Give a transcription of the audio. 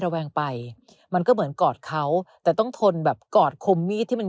แวงไปมันก็เหมือนกอดเขาแต่ต้องทนแบบกอดคมมีดที่มัน